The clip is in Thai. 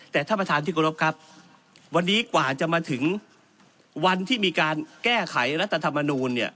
แต่ท่านประธานที่กรบครับวันนี้กว่าจะมาถึงวันที่มีการแก้ไขรัฐธรรมนูลเนี่ย